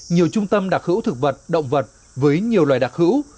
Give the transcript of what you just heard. nhiều trung tâm đặc hữu thực vật động vật với nhiều loài đặc hữu